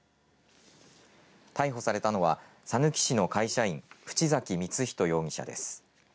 逮捕されたのはさぬき市の会社員淵崎満仁容疑者です。